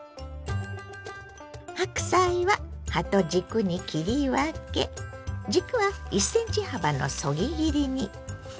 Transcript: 白菜は葉と軸に切り分け軸は１ｃｍ幅のそぎ切りに。